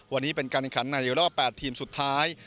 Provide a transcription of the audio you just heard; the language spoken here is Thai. วันนี้เป็นการแข่งขันในรอบ๘ทีมสุดท้าย